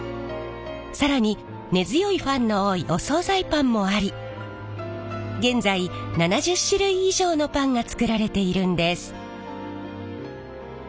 更に根強いファンの多いお総菜パンもあり現在７０種類以上のパンが作られているんです。